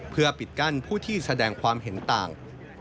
เพื่อปิดกั้นผู้ที่แสดงความเห็นต่าง